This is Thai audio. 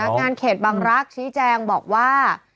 สำนักงานเขตบางรักชี้แจงบอกว่า